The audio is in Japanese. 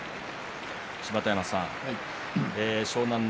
芝田山さん、湘南乃